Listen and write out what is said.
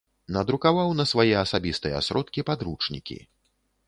Надрукаваў на свае асабістыя сродкі падручнікі.